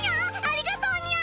ありがとうにゃ！